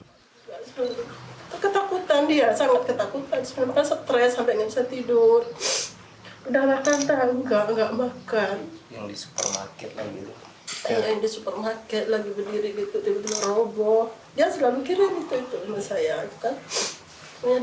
dia berdiri gitu dia berdiri robo dia selalu mikirin gitu itu cuma saya